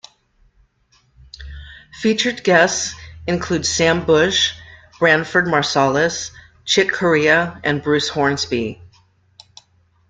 Featured guests include Sam Bush, Branford Marsalis, Chick Corea, and Bruce Hornsby.